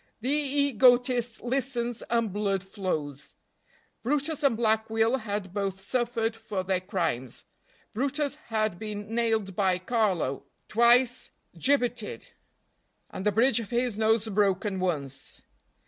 The egotist listens, and blood flows. brutus and Black Will had both suffered for their crimes. brutus had been nailed by Carlo, twice gibbeted, and the bridge of his nose broken once.